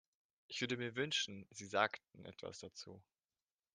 Ich würde mir wünschen, Sie sagten etwas dazu.